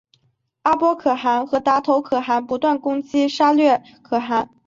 阿波可汗和达头可汗不断攻击沙钵略可汗。